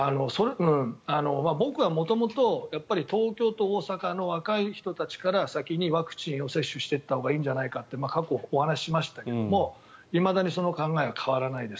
僕は元々東京と大阪の若い人たちから先にワクチンを接種していったほうがいいんじゃないかって過去にお話ししましたけどいまだにその考えは変わらないです。